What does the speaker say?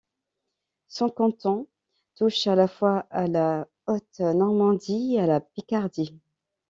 Son canton touche à la fois à la Haute-Normandie et à la Picardie.